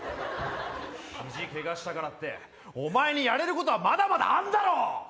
肘ケガしたからってお前にやれることはまだまだあんだろ